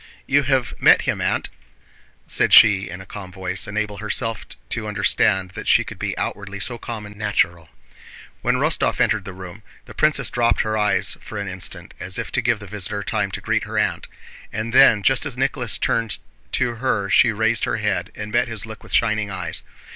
"You have met him, Aunt?" said she in a calm voice, unable herself to understand that she could be outwardly so calm and natural. When Rostóv entered the room, the princess dropped her eyes for an instant, as if to give the visitor time to greet her aunt, and then just as Nicholas turned to her she raised her head and met his look with shining eyes.